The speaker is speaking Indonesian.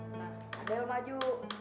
nah adel maju